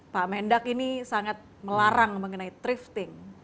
pak mendak ini sangat melarang mengenai thrifting